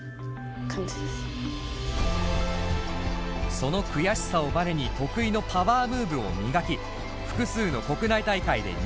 その悔しさをバネに得意のパワームーブを磨き複数の国内大会で入賞。